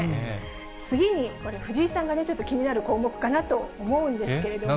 次に藤井さんがね、ちょっと気になる項目かなと思うんですけれども。